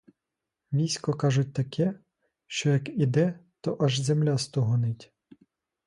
Військо, кажуть, таке, що як іде, то аж земля стугонить.